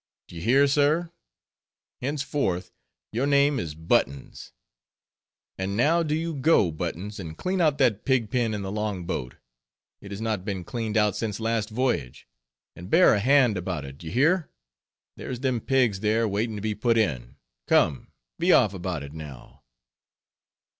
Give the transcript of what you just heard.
D'ye hear, sir, henceforth your name is Buttons. And now do you go, Buttons, and clean out that pig pen in the long boat; it has not been cleaned out since last voyage. And bear a hand about it, d'ye hear; there's them pigs there waiting to be put in; come, be off about it, now."